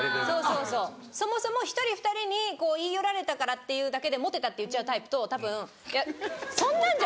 そうそうそもそも１人２人に言い寄られたからっていうだけでモテたって言っちゃうタイプとたぶんそんなんじゃ